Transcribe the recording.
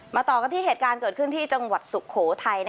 ต่อกันที่เหตุการณ์เกิดขึ้นที่จังหวัดสุโขทัย